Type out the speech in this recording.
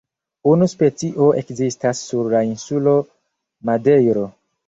Unu specio ekzistas sur la insulo Madejro.